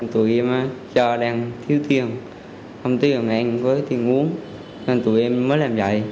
tụi em cho đang thiếu tiền không tiền với tiền uống nên tụi em mới làm vậy